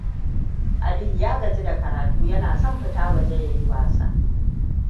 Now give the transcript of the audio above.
Aliyu ya gaji da karatu yana son fita waje ya yi wasa.